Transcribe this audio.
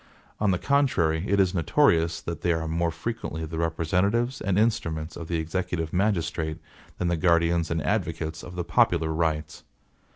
On the contrary, it is notorious, that they are more frequently the representatives and instruments of the executive magistrate, than the guardians and advocates of the popular rights.